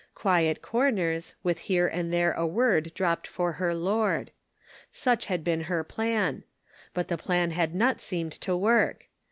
Quiet corners, with here and there a word dropped for her Lord. Such had been her plan ; but the plan had not seemed to work.